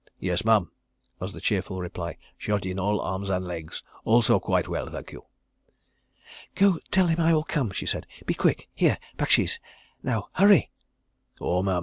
"Yes, Mem," was the cheerful reply. "Shot in all arms and legs. Also quite well, thank you." "Go and tell him I will come," she said. "Be quick. Here—baksheesh. ... Now, hurry." "Oh, Mem!